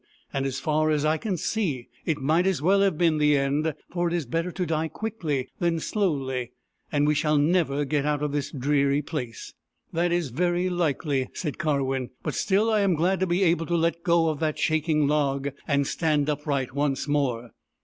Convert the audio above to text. " And, as far as I can see, it might as well have been the end, for it is better to die quickly than slowly, and we shall never get out of this dreary place." " That is very likely," said Karwin. " But still I am glad to be able to let go of that shaking log and stand upright once more."